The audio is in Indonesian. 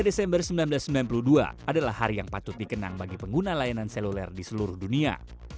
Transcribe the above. dua puluh desember seribu sembilan ratus sembilan puluh dua adalah hari yang patut dikenang bagi pengguna layanan seluler di seluruh dunia